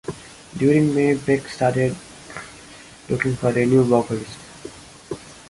During May, Beck started looking for a new vocalist.